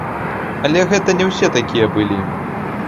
Але гэта не ўсе такія былі.